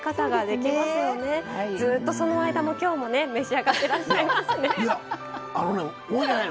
ずっとその間も今日もね召し上がっていらっしゃいますね。